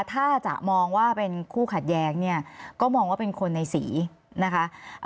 ถ้าจะมองว่าเป็นคู่ขัดแย้งเนี่ยก็มองว่าเป็นคนในสีนะคะ